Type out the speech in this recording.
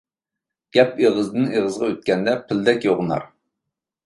گەپ ئېغىزدىن ئېغىزغا ئۆتكەندە پىلدەك يوغىنار.